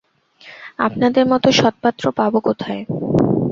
আপনাদের মতো সৎপাত্র পাব কোথায়।